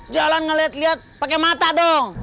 jalan ngeliat lihat pakai mata dong